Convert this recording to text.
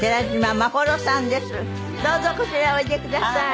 どうぞこちらへおいでください。